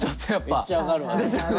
めっちゃ分かるわ。ですよね。